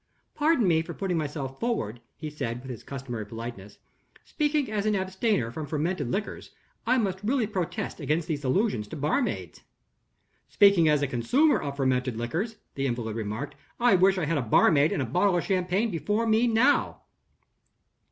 "Pardon me for putting myself forward," he said, with his customary politeness. "Speaking as an abstainer from fermented liquors, I must really protest against these allusions to barmaids." "Speaking as a consumer of fermented liquors," the invalid remarked, "I wish I had a barmaid and a bottle of champagne before me now."